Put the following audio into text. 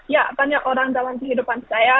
ya banyak orang dalam kehidupan saya